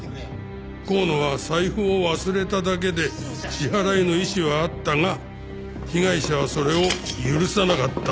香野は財布を忘れただけで支払いの意思はあったが被害者はそれを許さなかった。